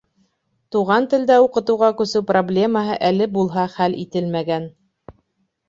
Туған телдә уҡытыуға күсеү проблемаһы әле булһа хәл ителмәгән.